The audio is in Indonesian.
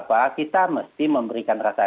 bahwa kita mesti memberikan rasa